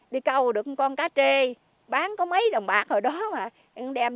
bà con xây ban đêm